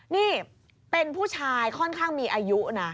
นี่เป็นผู้ชายค่อนข้างมีอายุนะ